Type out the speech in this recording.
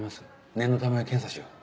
念のため検査しよう。